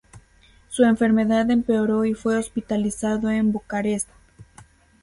Su enfermedad empeoró y fue hospitalizado en Bucarest.